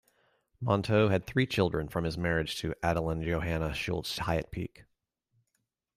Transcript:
Monteux had three children from his marriage to Adeline Johanna Schulz Hiatt Peake.